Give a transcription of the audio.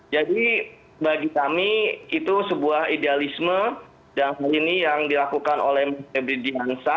jadi bagi kami itu sebuah idealisme yang hari ini yang dilakukan oleh menteri pembedian sa